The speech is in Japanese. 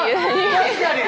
確かに！